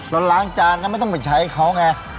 เราล้างจานก็ไม่ต้องไปใช้เขาไง